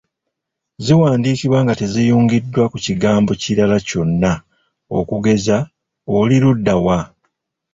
Ziwandiikibwa nga teziyungiddwa ku kigambo kirala kyonna okugeza oli ludda wa?